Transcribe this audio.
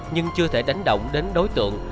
nhưng chưa thể đánh động đến đối tượng